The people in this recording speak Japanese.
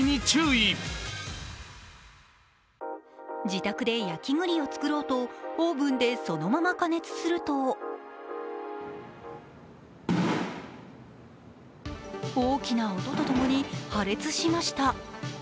自宅で焼きぐりを作ろうとオーブンでそのまま加熱すると大きな音ともに破裂しました。